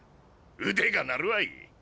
腕が鳴るわい。